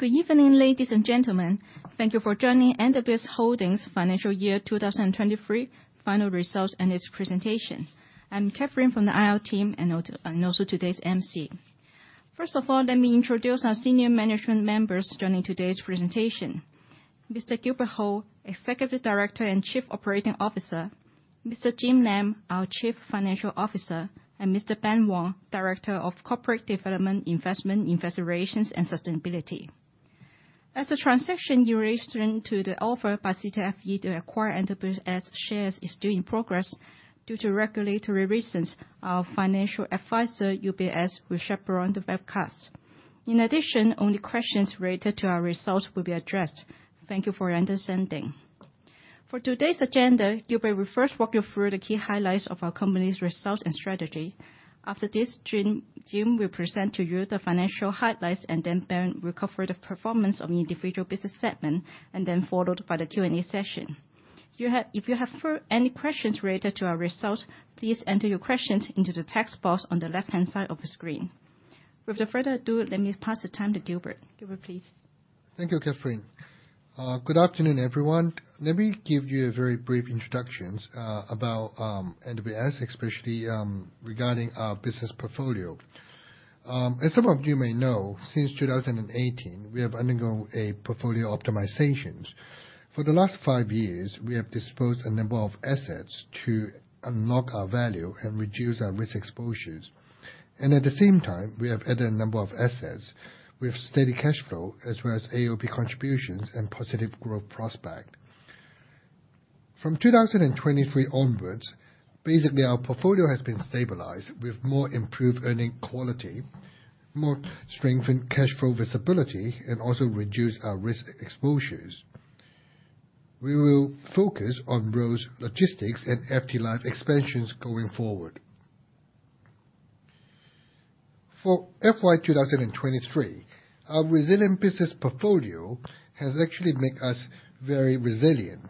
Good evening, ladies and gentlemen. Thank you for joining NWS Holdings Financial Year 2023 final results and its presentation. I'm Catherine from the IL team, and also, and also today's MC. First of all, let me introduce our senior management members joining today's presentation. Mr. Gilbert Ho, Executive Director and Chief Operating Officer; Mr. Jim Lam, our Chief Financial Officer; and Mr. Ben Wong, Director of Corporate Development, Investment, Investor Relations, and Sustainability. As the transaction in relation to the offer by CTFE to acquire NWS shares is still in progress, due to regulatory reasons, our financial advisor, UBS, will chaperone the webcast. In addition, only questions related to our results will be addressed. Thank you for understanding. For today's agenda, Gilbert will first walk you through the key highlights of our company's results and strategy. After this, Jim will present to you the financial highlights, and then Ben will cover the performance of individual business segment, and then followed by the Q&A session. If you have any questions related to our results, please enter your questions into the text box on the left-hand side of the screen. Without further ado, let me pass the time to Gilbert. Gilbert, please. Thank you, Catherine. Good afternoon, everyone. Let me give you a very brief introductions about NWS, especially regarding our business portfolio. As some of you may know, since 2018, we have undergone a portfolio optimizations. For the last five years, we have disposed a number of assets to unlock our value and reduce our risk exposures, and at the same time, we have added a number of assets with steady cash flow, as well as AOP contributions and positive growth prospect. From 2023 onwards, basically, our portfolio has been stabilized with more improved earning quality, more strengthened cash flow visibility, and also reduced our risk exposures. We will focus on roads, logistics, and FTLife expansions going forward. For FY 2023, our resilient business portfolio has actually make us very resilient.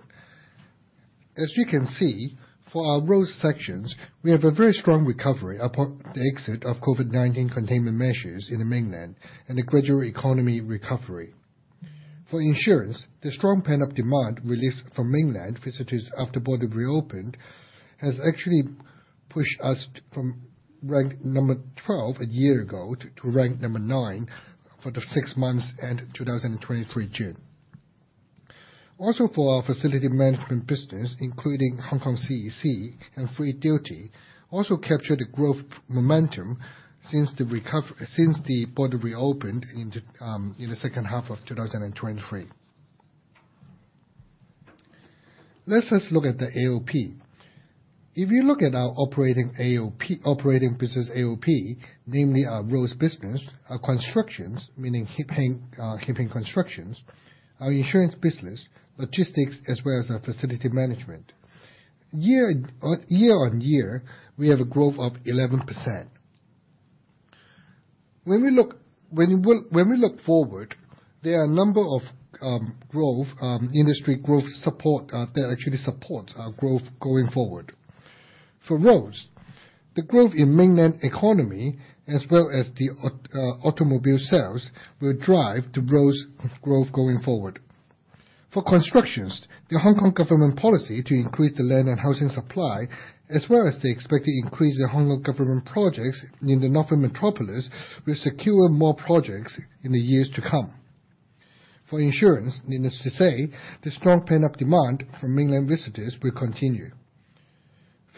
As you can see, for our roads sections, we have a very strong recovery upon the exit of COVID-19 containment measures in the mainland and a gradual economy recovery. For insurance, the strong pent-up demand relief from mainland visitors after border reopened, has actually pushed us from rank number 12 a year ago, to, to rank number nine for the six months end 2023, June. Also, for our facility management business, including Hong Kong CEC and Free Duty, also captured the growth momentum since the border reopened in the, in the second half of 2023. Let us look at the AOP. If you look at our operating AOP, operating business AOP, namely our roads business, our constructions, meaning Hip Hing, Hip Hing Construction, our insurance business, logistics, as well as our facility management. Year-on-year, we have a growth of 11%. When we look forward, there are a number of growth industry growth support that actually supports our growth going forward. For roads, the growth in mainland economy, as well as the automobile sales, will drive the roads growth going forward. For constructions, the Hong Kong government policy to increase the land and housing supply, as well as the expected increase in Hong Kong government projects in the Northern Metropolis, will secure more projects in the years to come. For insurance, needless to say, the strong pent-up demand from mainland visitors will continue.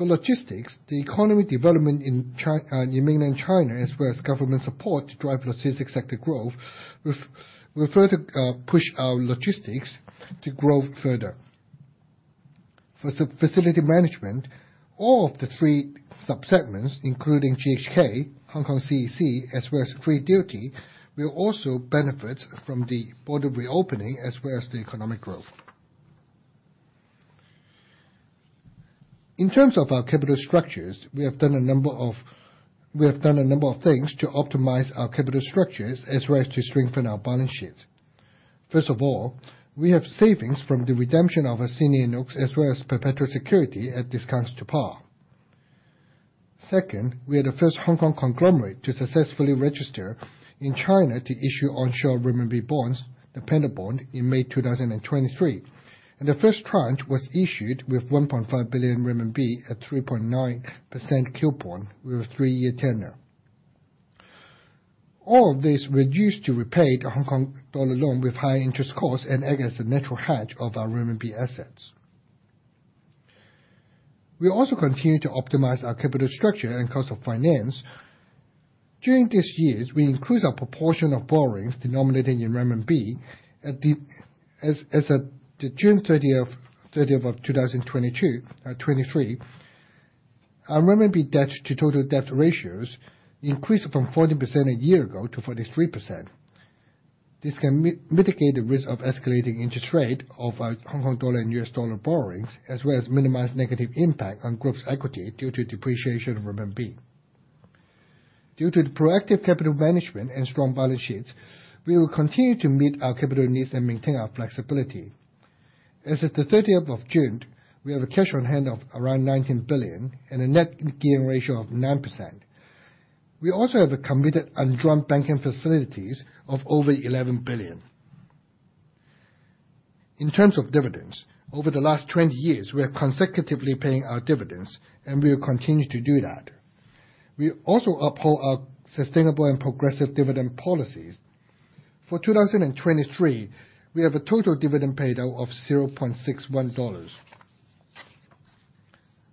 For logistics, the economy development in Mainland China, as well as government support to drive logistics sector growth, will further push our logistics to grow further. For the facility management, all of the three sub-segments, including GHK, Hong Kong CEC, as well as Free Duty, will also benefit from the border reopening, as well as the economic growth. In terms of our capital structures, we have done a number of things to optimize our capital structures, as well as to strengthen our balance sheets. First of all, we have savings from the redemption of our senior notes, as well as perpetual security at discounts to par. Second, we are the first Hong Kong conglomerate to successfully register in China to issue onshore renminbi bonds, the Panda Bond, in May 2023. The first tranche was issued with 1.5 billion RMB at 3.9% coupon, with a three-year tenure. All of this reduced to repay the Hong Kong dollar loan with high interest costs and act as a natural hedge of our renminbi assets. We also continue to optimize our capital structure and cost of finance. During this years, we increased our proportion of borrowings denominated in renminbi. As at June 30, 2023, our renminbi debt to total debt ratios increased from 40% a year ago to 43%. This can mitigate the risk of escalating interest rate of our Hong Kong dollar and US dollar borrowings, as well as minimize negative impact on group's equity due to depreciation of renminbi. Due to the proactive capital management and strong balance sheets, we will continue to meet our capital needs and maintain our flexibility. As of the 30th of June, we have cash on hand of around 19 billion and a net gearing ratio of 9%. We also have committed undrawn banking facilities of over 11 billion. In terms of dividends, over the last 20 years, we are consecutively paying our dividends, and we will continue to do that. We also uphold our sustainable and progressive dividend policies. For 2023, we have a total dividend payout of 0.61 dollars.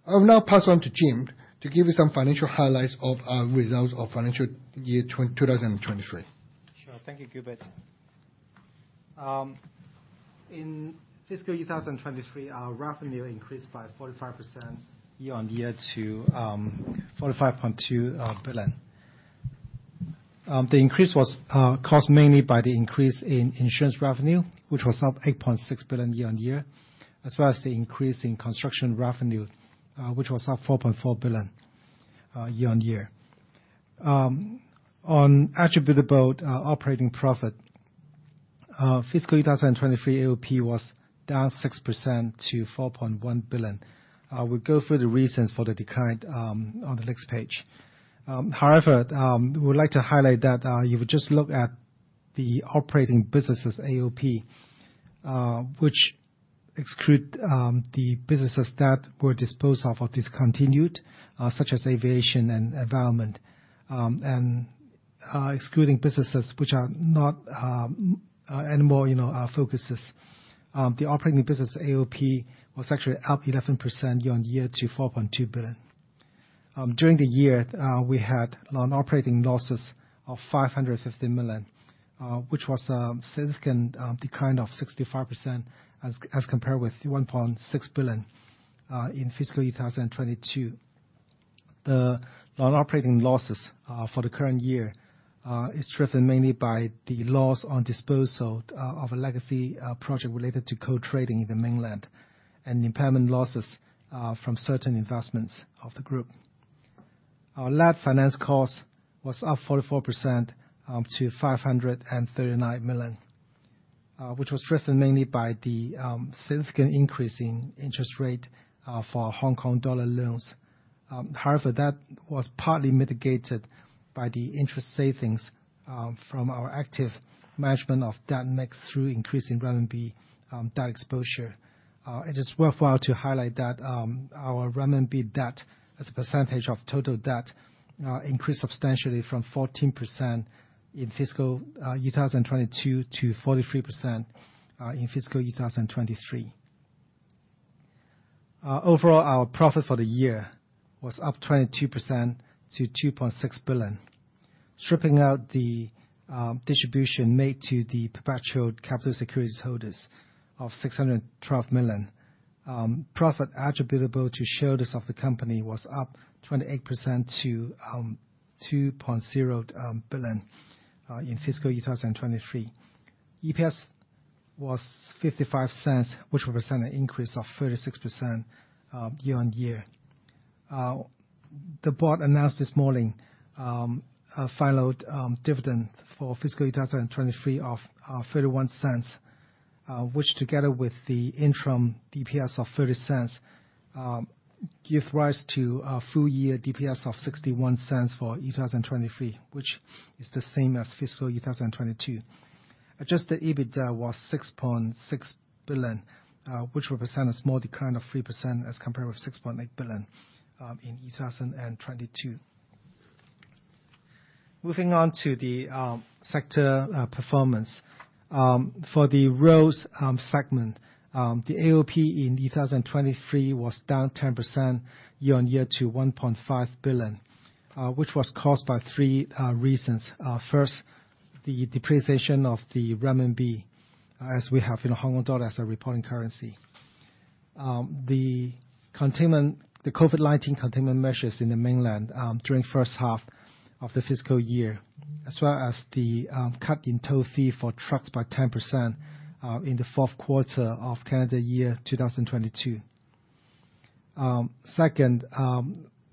I'll now pass on to Jim to give you some financial highlights of our results of financial year 2023. Sure. Thank you, Gilbert. In fiscal year 2023, our revenue increased by 45% year-on-year to 45.2 billion. The increase was caused mainly by the increase in insurance revenue, which was up 8.6 billion year-on-year, as well as the increase in construction revenue, which was up 4.4 billion year-on-year. On attributable operating profit, fiscal year 2023, AOP was down 6% to 4.1 billion. I will go through the reasons for the decline on the next page. However, we would like to highlight that you would just look at the operating businesses AOP, which exclude the businesses that were disposed of or discontinued, such as aviation and environment. And, excluding businesses which are not anymore, you know, our focuses. The operating business AOP was actually up 11% year-on-year to 4.2 billion. During the year, we had non-operating losses of 550 million, which was a significant decline of 65% as compared with 1.6 billion in fiscal year 2022. The non-operating losses for the current year is driven mainly by the loss on disposal of a legacy project related to co-trading in the mainland, and impairment losses from certain investments of the group. Our net finance cost was up 44% to 539 million, which was driven mainly by the significant increase in interest rate for Hong Kong dollar loans. However, that was partly mitigated by the interest savings from our active management of debt mix through increasing renminbi debt exposure. It is worthwhile to highlight that our renminbi debt as a percentage of total debt increased substantially from 14% in fiscal 2022 to 43% in fiscal year 2023. Overall, our profit for the year was up 22% to 2.6 billion. Stripping out the distribution made to the perpetual capital securities holders of 612 million, profit attributable to shareholders of the company was up 28% to 2.0 billion in fiscal year 2023. EPS was 0.55, which represent an increase of 36% year-on-year. The board announced this morning a final dividend for fiscal year 2023 of 0.31, which together with the interim DPS of 0.30, give rise to a full year DPS of 0.61 for year 2023, which is the same as fiscal year 2022. Adjusted EBITDA was 6.6 billion, which represent a small decline of 3% as compared with 6.8 billion in 2022. Moving on to the sector performance. For the roads segment, the AOP in 2023 was down 10% year-on-year to 1.5 billion, which was caused by three reasons. First, the depreciation of the renminbi, as we have in Hong Kong dollar as a reporting currency. The containment, the COVID-19 containment measures in the mainland, during first half of the fiscal year, as well as the, cut in toll fee for trucks by 10%, in the fourth quarter of calendar year 2022. Second,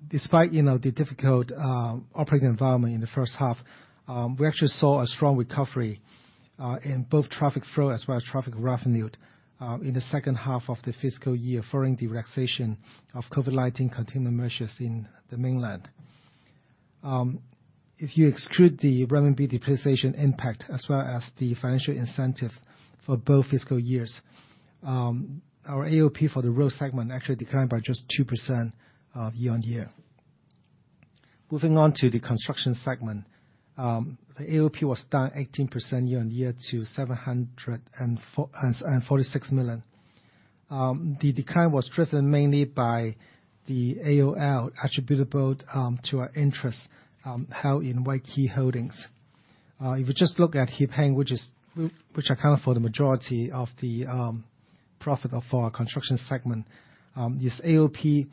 despite, you know, the difficult, operating environment in the first half, we actually saw a strong recovery, in both traffic flow as well as traffic revenue, in the second half of the fiscal year, following the relaxation of COVID-19 containment measures in the mainland. If you exclude the renminbi depreciation impact, as well as the financial incentive for both fiscal years, our AOP for the road segment actually declined by just 2% year-on-year. Moving on to the construction segment. The AOP was down 18% year-on-year to 746 million. The decline was driven mainly by the AOP attributable to our interest held in Weiqi Holdings. If you just look at Hip Hing, which accounted for the majority of the profit of our construction segment, this AOP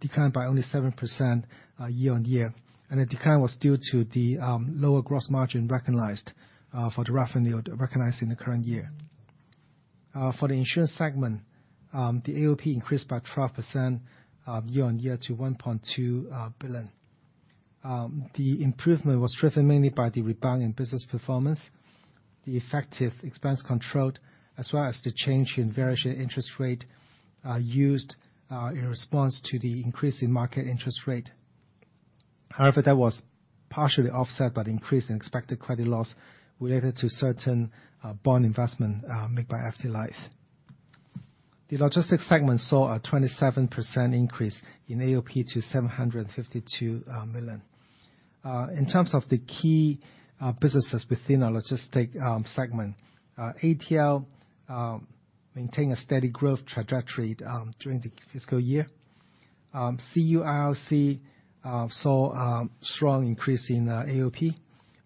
declined by only 7% year-on-year, and the decline was due to the lower gross margin recognized for the revenue recognized in the current year. For the insurance segment, the AOP increased by 12% year-on-year to 1.2 billion. The improvement was driven mainly by the rebound in business performance, the effective expense controlled, as well as the change in variable interest rate used in response to the increase in market interest rate. However, that was partially offset by the increase in expected credit loss related to certain bond investment made by FTLife. The logistics segment saw a 27% increase in AOP to 752 million. In terms of the key businesses within our logistics segment, ATL maintained a steady growth trajectory during the fiscal year. CUIRC saw a strong increase in AOP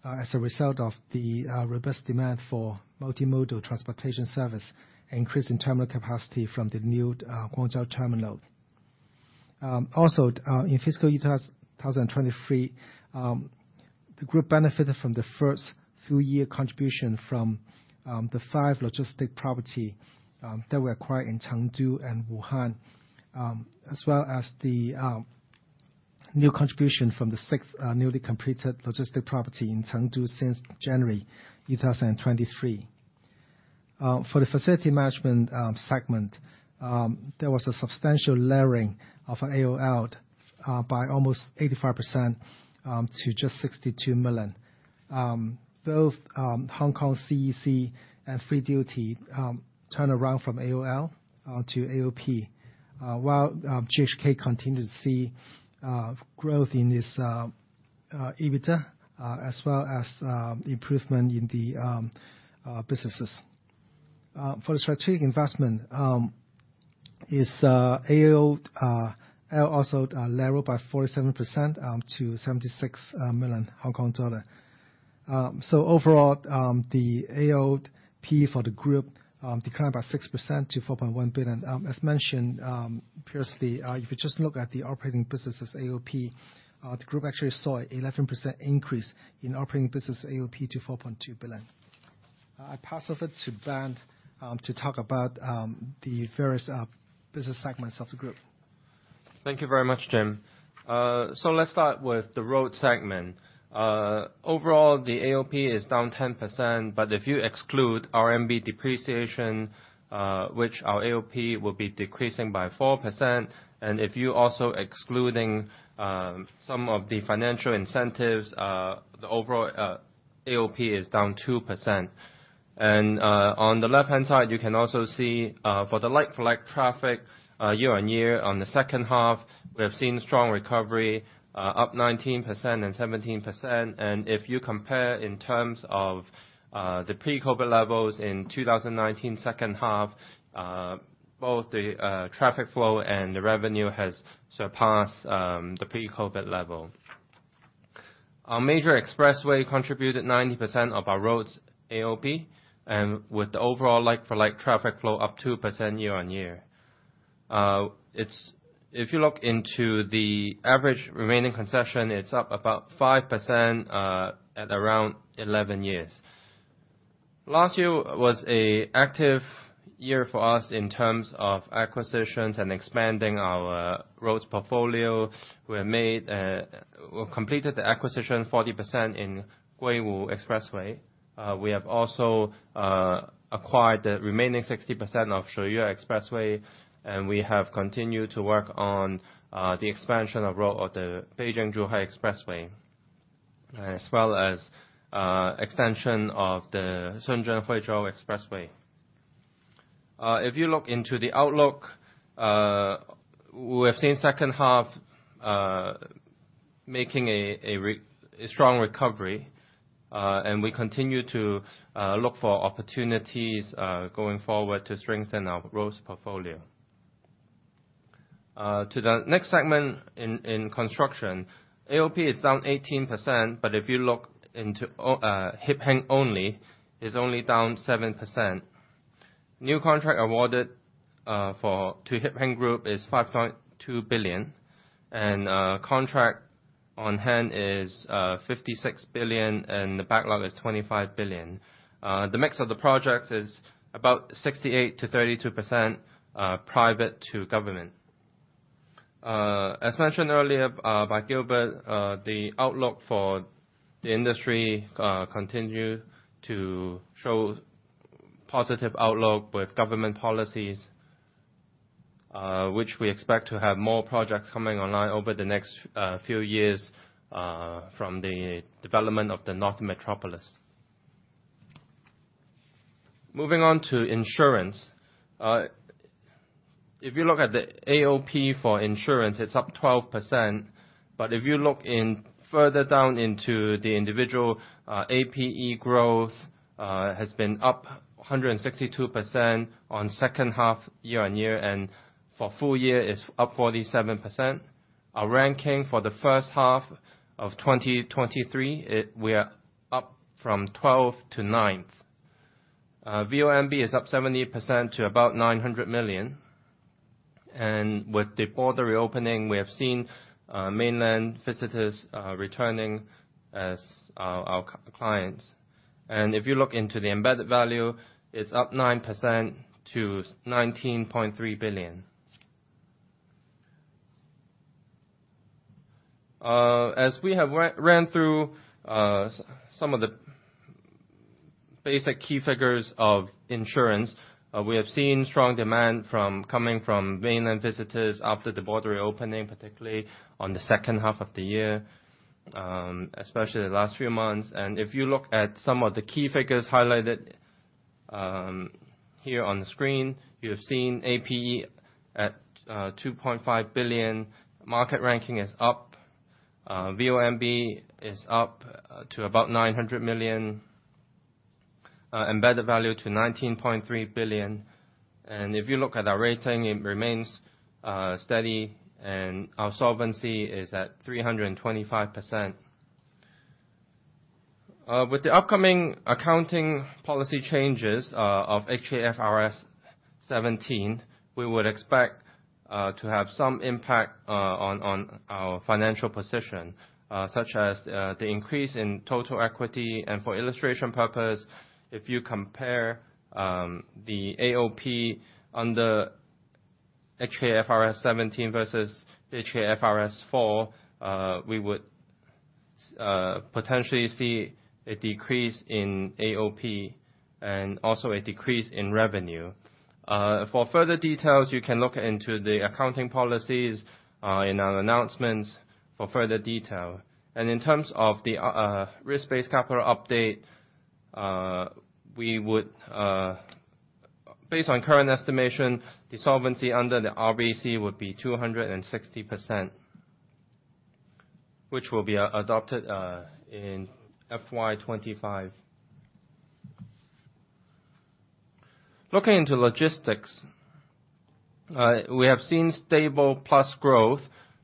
as a result of the robust demand for multimodal transportation service, increasing terminal capacity from the new Guangzhou terminal. Also, in fiscal year 2023, the group benefited from the first full year contribution from the five logistics properties that were acquired in Chengdu and Wuhan. As well as the new contribution from the sixth newly completed logistics property in Chengdu since January 2023. For the facility management segment, there was a substantial layering of an AOL by almost 85% to just 62 million. Both Hong Kong CEC and Free Duty turn around from AOL to AOP. While GHK continued to see growth in its EBITDA as well as improvement in the businesses. For the strategic investment, its AOL also narrowed by 47% to 76 million Hong Kong dollar. So overall, the AOP for the group declined about 6% to 4.1 billion. As mentioned previously, if you just look at the operating businesses, AOP, the group actually saw an 11% increase in operating business AOP to 4.2 billion. I pass over to Ben to talk about the various business segments of the group. Thank you very much, Jim. So let's start with the road segment. Overall, the AOP is down 10%, but if you exclude RMB depreciation, which our AOP will be decreasing by 4%, and if you also excluding some of the financial incentives, the overall AOP is down 2%. And on the left-hand side, you can also see for the like-for-like traffic year-on-year on the second half, we have seen strong recovery up 19% and 17%. And if you compare in terms of the pre-COVID levels in 2019, second half, both the traffic flow and the revenue has surpassed the pre-COVID level. Our major expressway contributed 90% of our roads AOP, and with the overall like-for-like traffic flow up 2% year-on-year. It's. If you look into the average remaining concession, it's up about 5%, at around 11 years. Last year was a active year for us in terms of acquisitions and expanding our roads portfolio. We made, we completed the acquisition, 40% in Guiwu Expressway. We have also acquired the remaining 60% of Shuiyue Expressway, and we have continued to work on the expansion of road of the Beijing-Zhuhai Expressway, as well as extension of the Shenzhen-Huizhou Expressway. If you look into the outlook, we have seen second half making a strong recovery, and we continue to look for opportunities going forward to strengthen our growth portfolio. To the next segment in construction, AOP is down 18%, but if you look into Hip Hing only, it's only down 7%. New contract awarded to Hip Hing Group is 5.2 billion, and contract on hand is 56 billion, and the backlog is 25 billion. The mix of the projects is about 68%-32%, private to government. As mentioned earlier by Gilbert, the outlook for the industry continue to show positive outlook with government policies, which we expect to have more projects coming online over the next few years from the development of the Northern Metropolis. Moving on to insurance. If you look at the AOP for insurance, it's up 12%. But if you look in further down into the individual, APE growth has been up 162% on second half, year-on-year, and for full year, it's up 47%. Our ranking for the first half of 2023, we are up from 12th to 9th. VONB is up 70% to about 900 million. And with the border reopening, we have seen mainland visitors returning as our clients. And if you look into the embedded value, it's up 9% to HKD 19.3 billion. As we have ran through some of the basic key figures of insurance, we have seen strong demand from coming from mainland visitors after the border reopening, particularly on the second half of the year, especially the last few months. If you look at some of the key figures highlighted here on the screen, you have seen APE at 2.5 billion. Market ranking is up. VONB is up to about 900 million, embedded value to 19.3 billion. If you look at our rating, it remains steady, and our solvency is at 325%. With the upcoming accounting policy changes of HKFRS 17, we would expect to have some impact on our financial position, such as the increase in total equity. For illustration purpose, if you compare the AOP under HKFRS 17 versus HKFRS 4, we would potentially see a decrease in AOP and also a decrease in revenue. For further details, you can look into the accounting policies in our announcements for further detail. In terms of the risk-based capital update, based on current estimation, the solvency under the RBC would be 260%, which will be adopted in FY 2025. Looking into logistics, we have seen stable + growth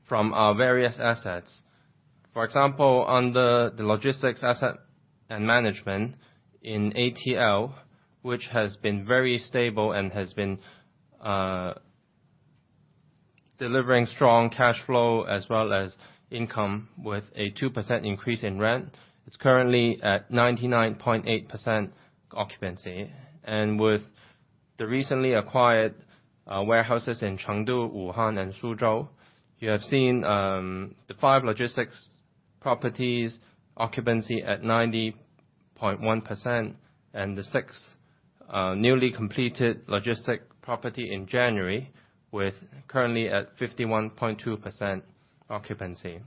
from our various assets. For example, under the logistics asset and management in ATL, which has been very stable and has been delivering strong cash flow as well as income, with a 2% increase in rent. It's currently at 99.8% occupancy. With the recently acquired warehouses in Chengdu, Wuhan, and Suzhou, you have seen the 5 logistics properties occupancy at 90.1%, and the 6 newly completed logistics property in January, with currently at 51.2% occupancy.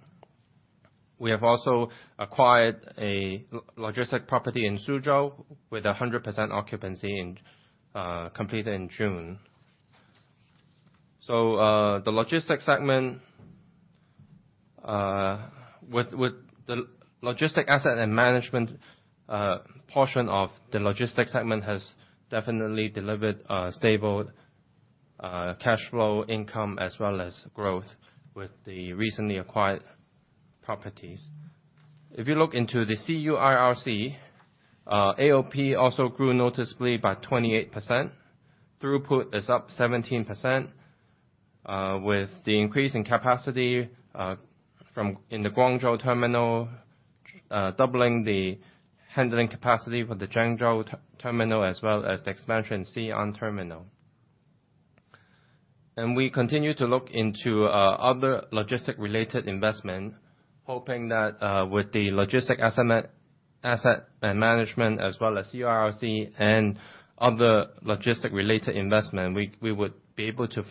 We have also acquired a logistics property in Suzhou with a 100% occupancy in, completed in June. So, the logistics segment, with the logistics asset and management portion of the logistics segment, has definitely delivered stable cash flow income as well as growth with the recently acquired properties. If you look into the CUIRC, AOP also grew noticeably by 28%. Throughput is up 17%, with the increase in capacity from in the Guangzhou terminal, doubling the handling capacity for the Jiangzhou terminal, as well as the expansion Xiongan terminal. We continue to look into other logistic-related investment, hoping that with the logistic asset management as well as CUIRC and other logistic-related investment, we would be able to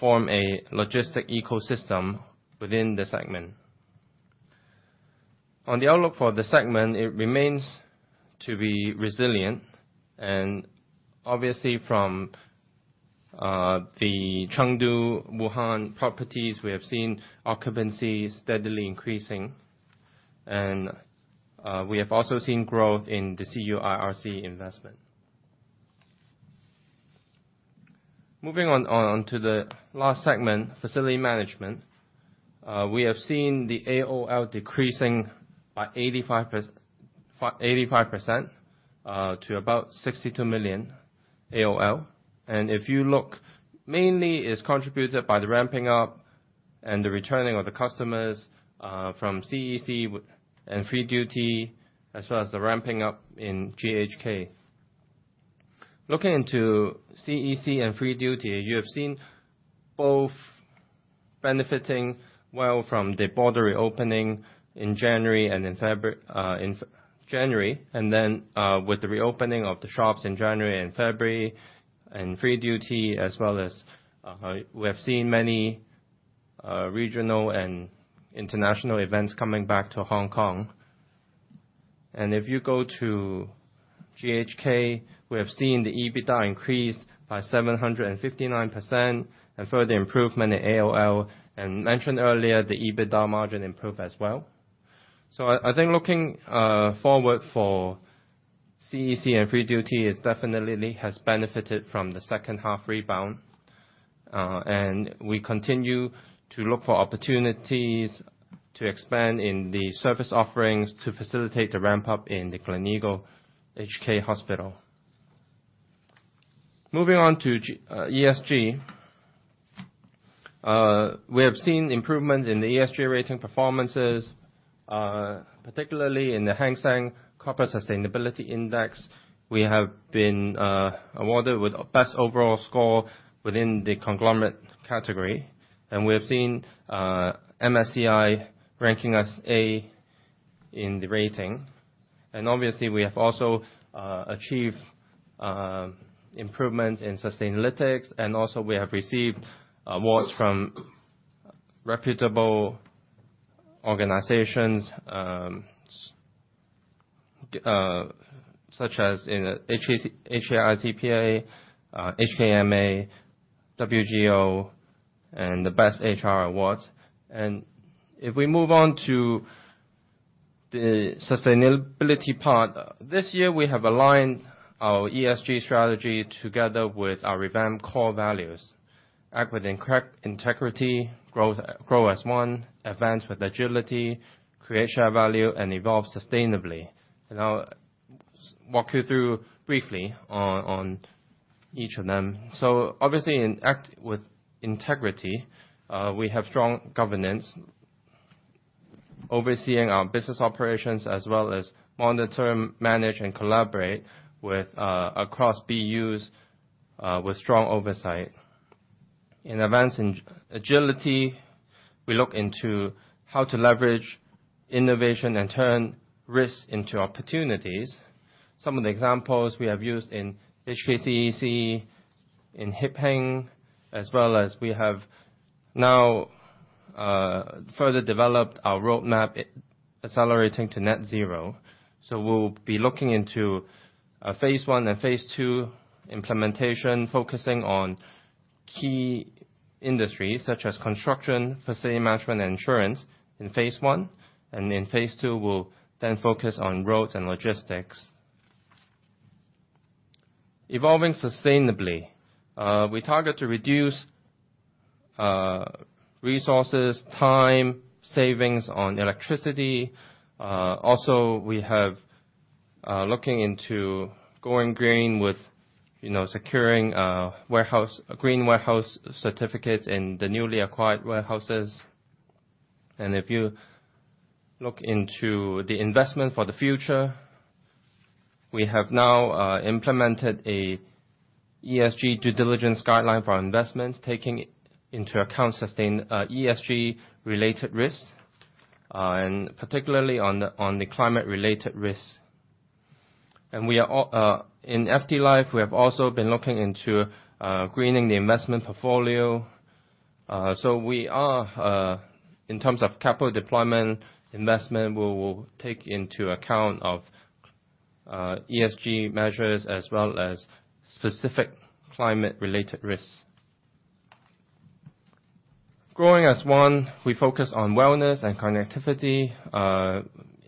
form a logistic ecosystem within the segment. On the outlook for the segment, it remains to be resilient, and obviously from the Chengdu, Wuhan properties, we have seen occupancy steadily increasing, and we have also seen growth in the CUIRC investment. Moving on to the last segment, facility management. We have seen the AOP decreasing by 85% to about 62 million AOP. And if you look, mainly it's contributed by the ramping up and the returning of the customers from HKCEC and Free Duty, as well as the ramping up in GHK. Looking into CEC and Free Duty, you have seen both benefiting well from the border reopening in January and in January, and then, with the reopening of the shops in January and February, and Free Duty as well as, we have seen many, regional and international events coming back to Hong Kong. If you go to GHK, we have seen the EBITDA increase by 759% and further improvement in AOP, and mentioned earlier, the EBITDA margin improved as well. So I think looking forward for CEC and Free Duty, it definitely has benefited from the second half rebound. And we continue to look for opportunities to expand in the service offerings to facilitate the ramp-up in the Gleneagles Hong Kong Hospital. Moving on to ESG. We have seen improvements in the ESG rating performances, particularly in the Hang Seng Corporate Sustainability Index. We have been awarded with best overall score within the conglomerate category, and we have seen MSCI ranking us A in the rating. And obviously, we have also achieved improvement in Sustainalytics, and also we have received awards from reputable organizations, such as in the HICPA, HKMA, WGO, and the Best HR Awards. And if we move on to the sustainability part, this year, we have aligned our ESG strategy together with our revamped core values: act with integrity, grow as one, advance with agility, create share value, and evolve sustainably. And I'll walk you through briefly on each of them. So obviously, in Act with Integrity, we have strong governance, overseeing our business operations, as well as monitor, manage, and collaborate with, across BUs, with strong oversight. In Advancing Agility, we look into how to leverage innovation and turn risks into opportunities. Some of the examples we have used in HKCEC, in Hip Hing, as well as we have now, further developed our roadmap, accelerating to net zero. So we'll be looking into a phase one and phase two implementation, focusing on key industries such as construction, facility management, and insurance in phase one, and in phase two, we'll then focus on roads and logistics. Evolving sustainably, we target to reduce, resources, time, savings on electricity. Also, we have, looking into going green with, you know, securing, warehouse - a green warehouse certificate in the newly acquired warehouses. And if you look into the investment for the future, we have now implemented an ESG due diligence guideline for our investments, taking into account ESG-related risks, and particularly on the climate-related risks. And we are in CTF Life, we have also been looking into greening the investment portfolio. So we are in terms of capital deployment, investment, we will take into account of ESG measures as well as specific climate-related risks. Growing as one, we focus on wellness and connectivity.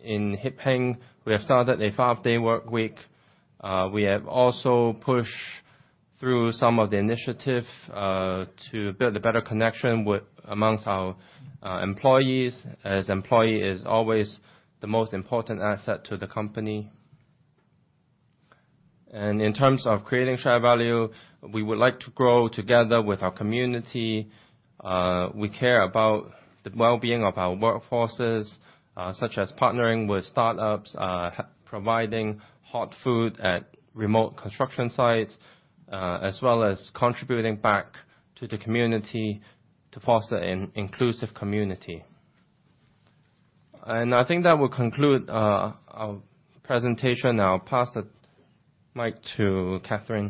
In Hip Hing, we have started a five-day work week. We have also pushed through some of the initiative to build a better connection with amongst our employees, as employee is always the most important asset to the company. In terms of creating share value, we would like to grow together with our community. We care about the well-being of our workforces, such as partnering with startups, providing hot food at remote construction sites, as well as contributing back to the community to foster an inclusive community. I think that will conclude our presentation. I'll pass the mic to Catherine.